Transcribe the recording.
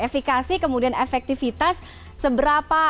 efekasi kemudian efektivitas seberapa